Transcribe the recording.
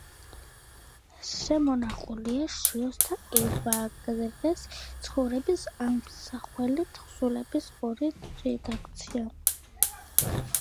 შემონახულია შიოს და ევაგრეს ცხოვრების ამსახველი თხზულების ორი რედაქცია.